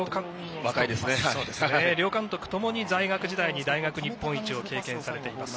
両監督ともに在学中に大学日本一も経験しています。